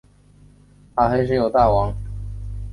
阿黑是犹大王国国王约雅敬的第五代的后代。